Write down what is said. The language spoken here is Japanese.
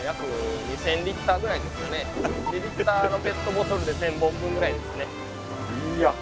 ２のペットボトルで１，０００本分ぐらいですね。